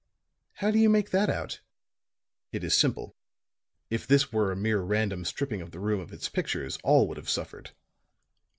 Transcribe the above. "How do you make that out?" "It is simple. If this were a mere random stripping of the room of its pictures, all would have suffered.